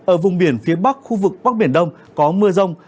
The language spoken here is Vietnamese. ở vùng biển phía bắc khu vực bắc biển đông có mưa rông